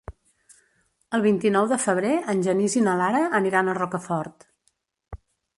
El vint-i-nou de febrer en Genís i na Lara aniran a Rocafort.